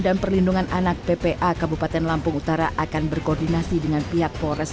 dan perlindungan anak ppa kabupaten lampung utara akan berkoordinasi dengan pihak polres